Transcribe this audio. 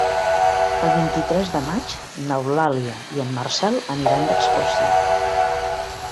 El vint-i-tres de maig n'Eulàlia i en Marcel aniran d'excursió.